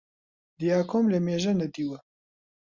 دیاکۆم لەمێژە نەدیوە